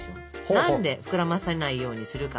何で膨らませないようにするか？